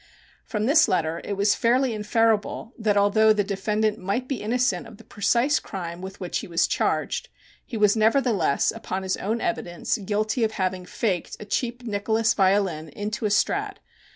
From this letter it was fairly inferable that although the defendant might be innocent of the precise crime with which he was charged, he was, nevertheless, upon his own evidence, guilty of having "faked" a cheap Nicholas violin into a Strad.